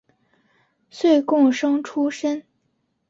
岁贡生出身。